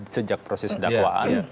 sejak proses dakwaan